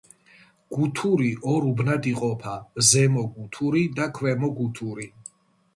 გუთური ორ უბნად იყოფა: ზემო გუთური და ქვემო გუთური.